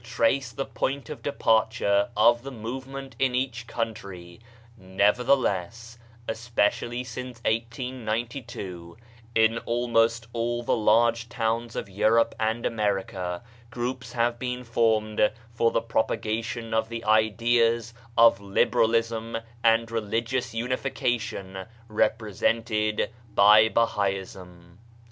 'ABDU'L BAHA 95 trace the point of departure of the move ment in each country, nevertheless, especi ally since 1892, in almost all the large towns of Europe and America, groups have been formed for the propagation of the ideas of liberalism and religious unification represented by Bahaism.